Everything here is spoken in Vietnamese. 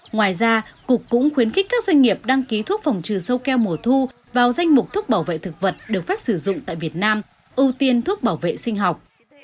ngoài ra cục cũng khuyến khích các doanh nghiệp đăng ký thuốc phòng trừ sâu keo mùa thu vào danh mục thuốc bảo vệ thực vật được phép sử dụng tại việt nam ưu tiên thuốc bảo vệ sinh học